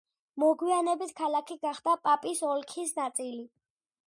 მოგვიანებით ქალაქი გახდა პაპის ოლქის ნაწილი.